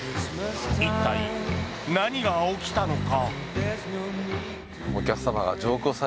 一体、何が起きたのか。